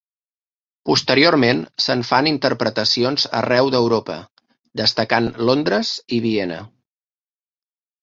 Posteriorment se'n fan interpretacions arreu d'Europa, destacant Londres i Viena.